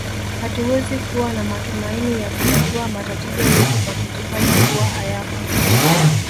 Hatuwezi kuwa na matumaini ya kutatua matatizo yetu kwa kujifanya kuwa hayapo